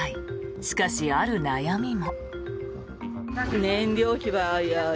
しかし、ある悩みも。